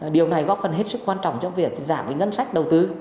điều này góp phần hết sức quan trọng trong việc giảm ngân sách đầu tư